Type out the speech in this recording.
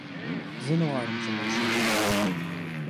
زه نه غواړم چې مړ شم.